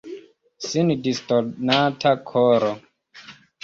Sin disdonanta koro.